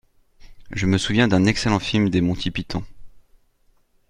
Je me souviens d’un excellent film des Monty Python.